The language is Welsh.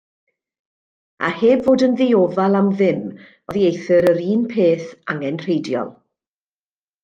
A heb fod yn ddiofal am ddim oddieithr yr un peth angenrheidiol.